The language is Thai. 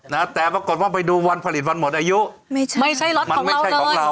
นะแต่ปรากฏว่าไปดูวันผลิตวันหมดอายุไม่ใช่ไม่ใช่ลดมันไม่ใช่ของเรา